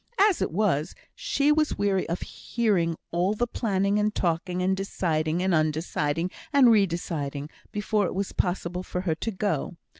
As it was, she was weary of hearing all the planning and talking, and deciding and un deciding, and re deciding, before it was possible for her to go.